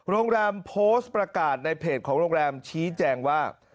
โรงแรมโพสต์ประกาศในเพจของโรงแรมชี้แจงว่า